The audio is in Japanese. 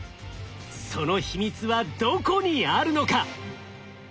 その秘密はどこにあるのか？